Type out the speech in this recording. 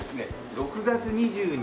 ６月２２？